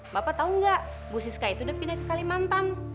bapak tahu nggak bu siska itu udah pindah ke kalimantan